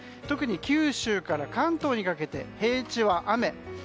特に九州から関東にかけて平地は雨。